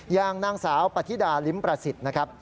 อย่างนางสาวปฏิดาลิ้มประสิทธิ์นะครับ